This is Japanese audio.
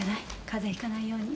風邪ひかないように。